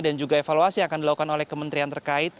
dan juga evaluasi yang akan dilakukan oleh kementerian terkait